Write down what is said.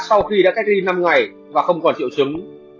sau khi đã cách ly năm ngày và không còn triệu chứng